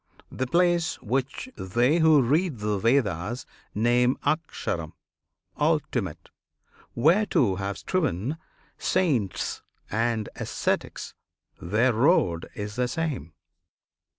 The place which they who read the Vedas name AKSHARAM, "Ultimate;" whereto have striven Saints and ascetics their road is the same.